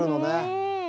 うん。